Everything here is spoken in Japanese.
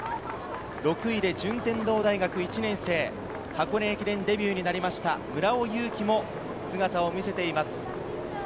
６位で順天堂大学１年生、箱根駅伝デビューになりました村尾雄己も姿を見せています。